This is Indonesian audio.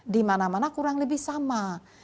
di mana mana kurang lebih sama